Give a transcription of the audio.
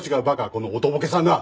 このおとぼけさんが！